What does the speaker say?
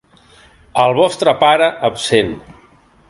El vostre pare absent.